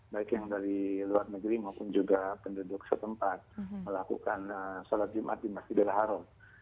baik yang dari luar negeri maupun juga penduduk setempat melakukan sholat jumat di masjidil haram